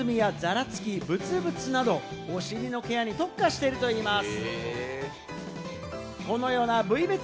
黒ずみやざらつき、ブツブツなどお尻のケアに特化しているといいます。